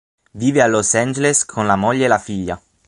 Vive a Los Angeles con la moglie e la figlia.